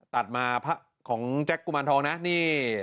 ตัดมาของแจ็คกุมารทองนะนี่